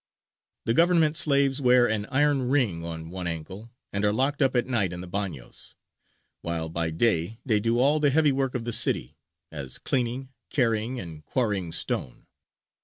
The Government slaves wear an iron ring on one ankle, and are locked up at night in the bagnios, while by day they do all the heavy work of the city, as cleaning, carrying, and quarrying stone.